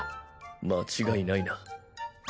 間違いないな。